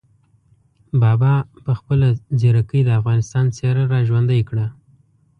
بابا په خپله ځیرکۍ د افغانستان څېره را ژوندۍ کړه.